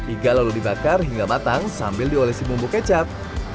iga lalu dibakar hingga matang sambil diolesi bumbu kecap